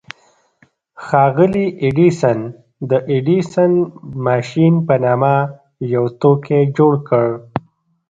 ښاغلي ايډېسن د ايډېسن ماشين په نامه يو توکی جوړ کړ.